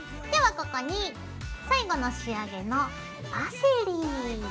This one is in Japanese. ではここに最後の仕上げのパセリ！